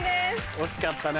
惜しかったな。